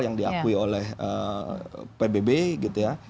yang diakui oleh pbb gitu ya